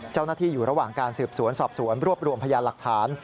เจ้าหน้าที่อยู่ระหว่างการสืบสวนสอบสวนรวบรวมพยานหลักฐาน